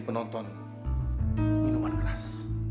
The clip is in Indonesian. surga ncipa khan